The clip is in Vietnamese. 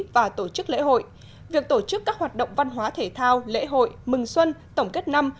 và tổ chức lễ hội việc tổ chức các hoạt động văn hóa thể thao lễ hội mừng xuân tổng kết năm